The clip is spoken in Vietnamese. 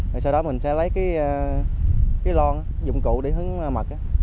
rồi sau đó mình sẽ lấy cái lon dụng cụ để hướng mật